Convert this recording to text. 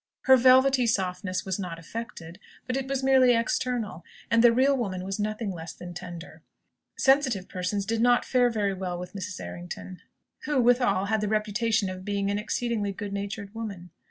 Her velvety softness was not affected, but it was merely external, and the real woman was nothing less than tender. Sensitive persons did not fare very well with Mrs. Errington; who, withal, had the reputation of being an exceedingly good natured woman.